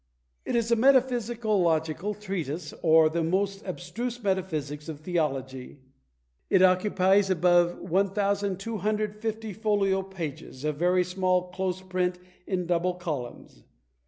It is a metaphysicological treatise, or the most abstruse metaphysics of theology. It occupies above 1250 folio pages, of very small close print in double columns.